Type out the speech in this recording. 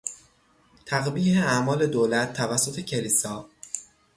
تقبیح اعمال دولت توسط کلیسا